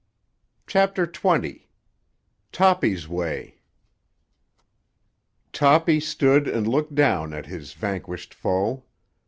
CHAPTER XX—TOPPY'S WAY Toppy stood and looked down at his vanquished foe.